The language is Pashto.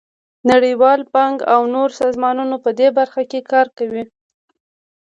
نړیوال بانک او نور سازمانونه په دې برخه کې کار کوي.